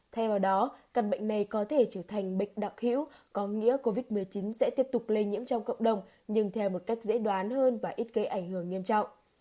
thay vào đó căn bệnh này có thể trở thành bệnh đặc hữu có nghĩa covid một mươi chín sẽ tiếp tục lây nhiễm trong cộng đồng nhưng theo một cách dễ đoán hơn và ít gây ảnh hưởng nghiêm trọng